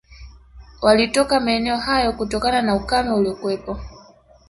Walitoka maeneo hayo kutokana na ukame uliokuwepo